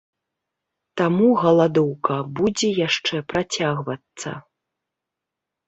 Таму галадоўка будзе яшчэ працягвацца.